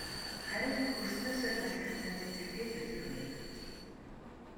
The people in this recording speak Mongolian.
Харин хөрснөөсөө таслагдсан цэцэгтэй л үлгэр нэг мэт.